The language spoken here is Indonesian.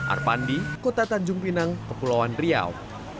arpandi kota tanjung pinang kepulauan riau